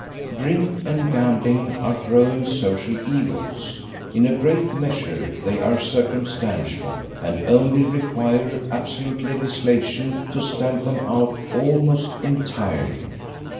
Drink and gambling are growing social evils; in a great measure they are circumstantial, and only require absolute legislation to stamp them out almost entirely.